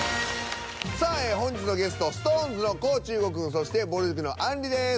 さあ本日のゲストＳｉｘＴＯＮＥＳの地優吾くんそしてぼる塾のあんりです。